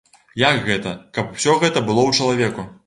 Як гэта, каб усё гэта было ў чалавеку.